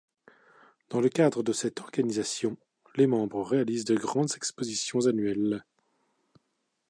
Dans le cadre de cette organisation, les membres réalisent de grandes expositions annuelles.